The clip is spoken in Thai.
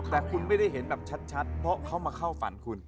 แต่คุณไม่ได้เห็นแบบชัดเพราะเขามาเข้าฝันคุณ